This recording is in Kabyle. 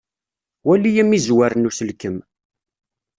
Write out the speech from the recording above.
Wali amizzwer n uselkem.